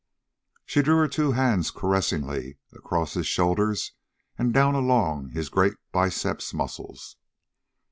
She drew her two hands caressingly across his shoulders and down along his great biceps muscles.